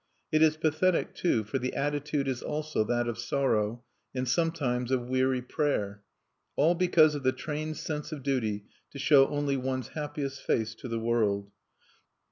It is pathetic, too, for the attitude is also that of sorrow, and sometimes of weary prayer. All because of the trained sense of duty to show only one's happiest face to the world.